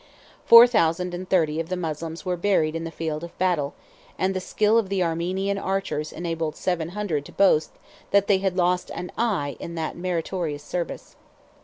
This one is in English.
Four thousand and thirty of the Moslems were buried in the field of battle; and the skill of the Armenian archers enabled seven hundred to boast that they had lost an eye in that meritorious service.